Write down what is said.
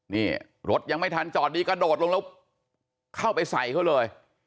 นี่รถยังไม่ทันจอดดีกระโดดลงแล้วเข้าไปใส่เขาเลย